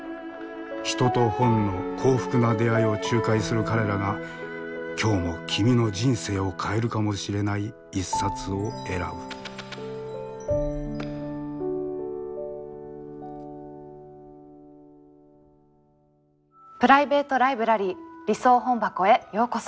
人と本の幸福な出会いを仲介する彼らが今日も君の人生を変えるかもしれない一冊を選ぶプライベート・ライブラリー理想本箱へようこそ。